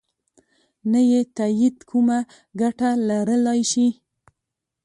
نه یې تایید کومه ګټه لرلای شي.